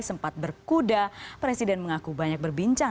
sempat berkuda presiden mengaku banyak berbincang